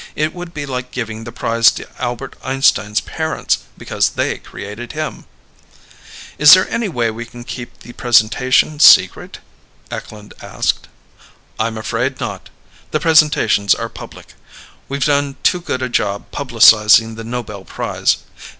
It would be like giving the prize to Albert Einstein's parents because they created him." "Is there any way we can keep the presentation secret?" Eklund asked. "I'm afraid not. The presentations are public. We've done too good a job publicizing the Nobel Prize.